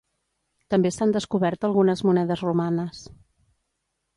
També s'han descobert algunes monedes romanes.